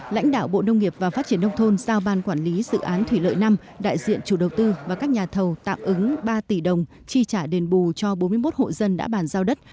lãnh đạo bộ nông nghiệp và phát triển nông thôn giao ban quản lý dự án thủy lợi năm đại diện chủ đầu tư và các nhà thầu tạm ứng ba tỷ đồng chi trả đền bù cho bốn mươi một hộ dân đã bàn giao đất